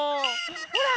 ほら。